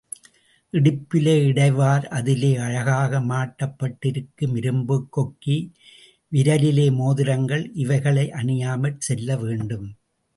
இடுப்பிலே இடைவார் அதிலே அழகாக மாட்டப்பட்டிருக்கும் இரும்புக் கொக்கி, விரலிலே மோதிரங்கள் இவைகளை அணியாமல் செல்ல வேண்டும்.